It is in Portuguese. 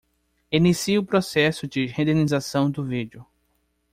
Inicie o processo de rendenização do vídeo.